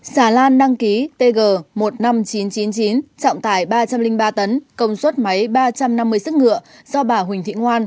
xà lan đăng ký tg một mươi năm nghìn chín trăm chín mươi chín trọng tải ba trăm linh ba tấn công suất máy ba trăm năm mươi sức ngựa do bà huỳnh thị ngoan